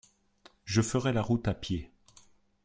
Je ferai la route à pied.